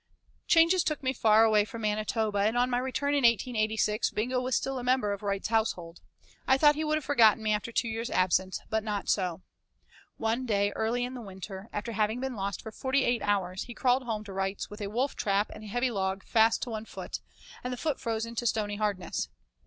VII Changes took me far away from Manitoba, and on my return in 1886 Bingo was still a member of Wright's household. I thought he would have forgotten me after two years' absence, but not so. One day early in the winter, after having been lost for forty eight hours, he crawled home to Wright's with a wolf trap and a heavy log fast to one foot, and the foot frozen to stony hardness.